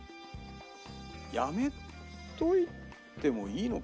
やめといてもいいのか。